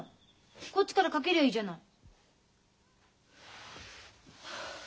こっちからかけりゃいいじゃない。